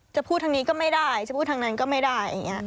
จะพูดทางนี้ก็ไม่ได้จะพูดทางนั้นก็ไม่ได้อย่างนี้